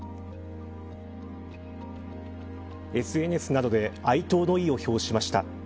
ＳＮＳなどで哀悼の意を表しました。